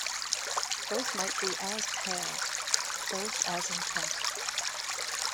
Both might be as pale, both as intent.